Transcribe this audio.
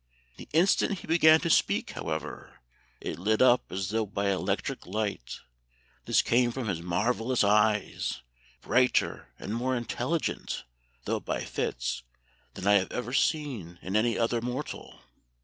The instant he began to speak, however, it lit up as though by electric light; this came from his marvellous eyes, brighter and more intelligent (though by fits) than I have ever seen in any other mortal.